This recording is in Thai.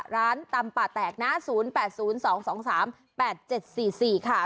ร้านตำป่าแตกน่ะ